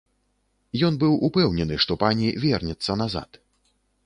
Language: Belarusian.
Ён быў упэўнены, што пані вернецца назад.